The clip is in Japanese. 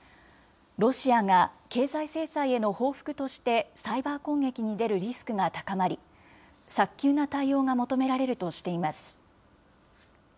ロシアが経済制裁への報復として、サイバー攻撃に出るリスクが高まり、早急な対応が求められるとしています。